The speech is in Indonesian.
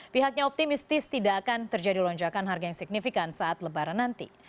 pihaknya optimistis tidak akan terjadi lonjakan harga yang signifikan saat lebaran nanti